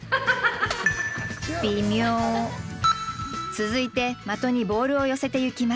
続いて的にボールを寄せてゆきます。